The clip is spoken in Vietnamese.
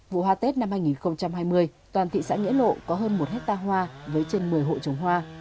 vụ hoa tết năm hai nghìn hai mươi toàn thị xã nghĩa lộ có hơn một hectare hoa với trên một mươi hộ trồng hoa